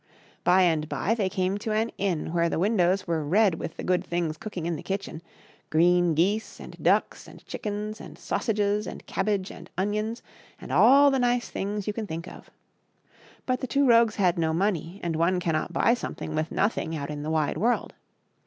By and by they came to an inn where the windows were red with the good things cooking in the kitchen — green geese and ducks and chickens, and sausages, and cabbage, and onions, and all the nice things you can think of. But the two rogues had no money, and one cannot buy something with nothing out in the wide world.